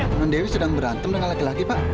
teman dewi sedang berantem dengan laki laki pak